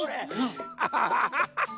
アハハハハハ。